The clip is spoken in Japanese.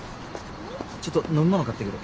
ちょっと飲み物買ってくる。